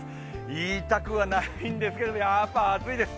言いたくはないんですけどやっぱ暑いです。